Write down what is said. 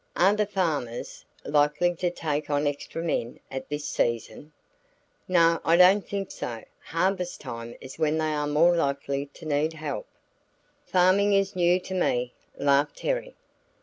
Are the farmers likely to take on extra men at this season?" "No, I don't think so; harvest time is when they are more likely to need help." "Farming is new to me," laughed Terry.